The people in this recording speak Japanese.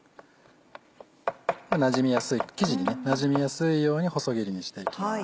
生地になじみやすいように細切りにしていきます。